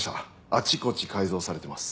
あちこち改造されてます。